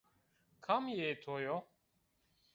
Kam yê to yo?